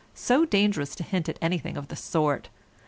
So dangerous to hint anything of the sort.